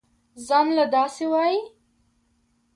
زان له دا سه وايې.